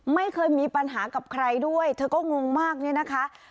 ไม่เคยมีปัญหากับใครด้วยเธอก็งงมากเนี่ยนะคะ